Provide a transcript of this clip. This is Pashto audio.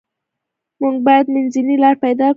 موږ باید منځنۍ لار پیدا کړو.